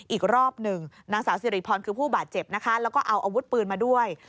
อีกรอบหนึ่งนางสาวสิริพรคือผู้บาดเจ็บนะคะแล้วก็เอาอาวุธปืนมาด้วย